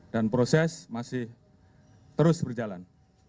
dan proses masih terus berjalan